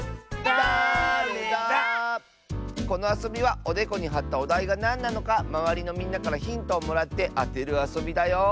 このあそびはおでこにはったおだいがなんなのかまわりのみんなからヒントをもらってあてるあそびだよ！